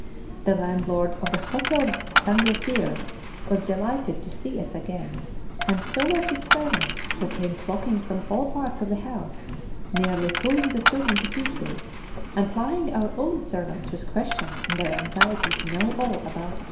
The landlord of the Hôtel d'Angleterre was delighted to see us again, and so were his servants, who came flocking from all parts of the house, nearly pulling the children to pieces, and plying our own servants with questions in their anxiety to know all about us.